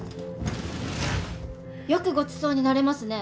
よくごちそうになれますね？